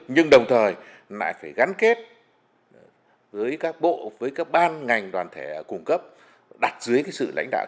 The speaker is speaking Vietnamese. nhưng đồng thời lại phải gắn kết với các bộ với các ban ngành đoàn thể cung cấp đặt dưới cái sự lãnh đạo